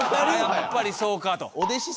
やっぱりそうかと。